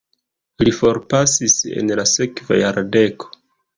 Li forpasis en la sekva jardeko.